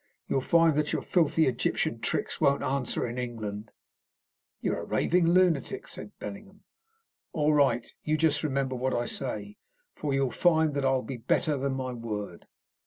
You'll find that your filthy Egyptian tricks won't answer in England." "You're a raving lunatic," said Bellingham. "All right. You just remember what I say, for you'll find that I'll be better than my word."